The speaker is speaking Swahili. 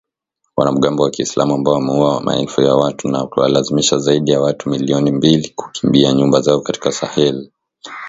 Wanamgambo wa kiislamu ambao wameua maelfu ya watu na kuwalazimisha zaidi ya watu milioni mbili kukimbia nyumba zao katika Saheli.